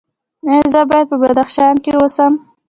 ایا زه باید په بدخشان کې اوسم؟